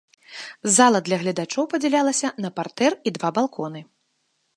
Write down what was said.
Зала для гледачоў падзялялася на партэр і два балконы.